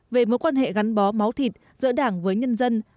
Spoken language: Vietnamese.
về mối quan hệ gắn bó máu thịt giữa đảng với nhân dân